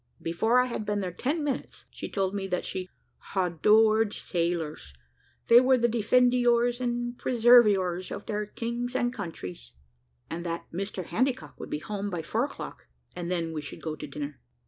Before I had been there ten minutes, she told me that she "hadored sailors they were the defendiours and preserviours of their kings and countries," and that Mr Handycock would be home by four o'clock, and then we should go to dinner.